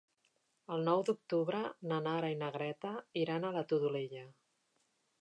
El nou d'octubre na Nara i na Greta iran a la Todolella.